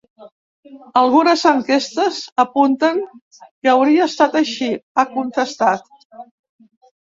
Algunes enquestes apunten que hauria estat així, ha contestat.